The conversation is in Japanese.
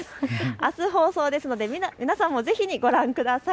あす放送ですので皆さんもぜひご覧ください。